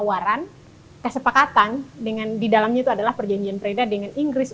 tawaran kesepakatan dengan di dalamnya itu adalah perjanjian preda dengan inggris